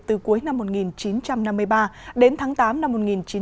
từ cuối năm một nghìn chín trăm năm mươi ba đến tháng tám năm một nghìn chín trăm bảy mươi